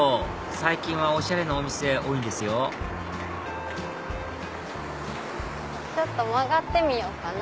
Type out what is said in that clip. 最近はおしゃれなお店多いんですよちょっと曲がってみよっかな。